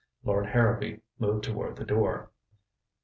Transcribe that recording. Lord Harrowby moved toward the door.